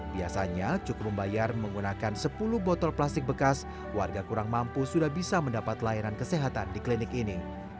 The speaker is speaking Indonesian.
biasanya cukup membayar menggunakan sepuluh botol plastik bekas warga kurang mampu sudah bisa mendapat layanan kesehatan di klinik ini